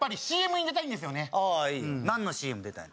何のＣＭ出たいの？